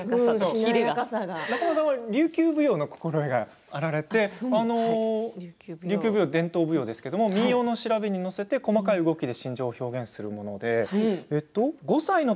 仲間さんは琉球舞踊の心得があって沖縄に伝わる伝統舞踊ですけれど民謡の調べに乗せて細かい動きで心情を表現するものですね。